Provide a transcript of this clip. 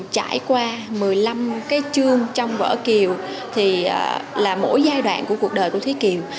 trải qua một mươi năm cái chương trong vở kiều thì là mỗi giai đoạn của cuộc đời của thúy kiều